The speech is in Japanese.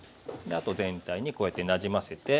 あと全体にこうやってなじませて。